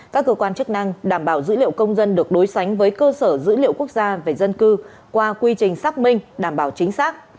các cơ quan chức năng đảm bảo dữ liệu công dân được đối sánh với cơ sở dữ liệu quốc gia về dân cư qua quy trình xác minh đảm bảo chính xác